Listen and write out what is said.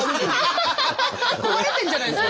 壊れてるんじゃないですか？